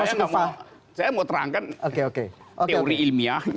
saya mau terangkan teori ilmiah